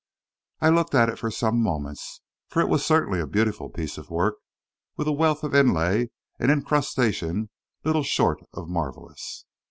I looked at it for some moments, for it was certainly a beautiful piece of work, with a wealth of inlay and incrustation little short of marvellous.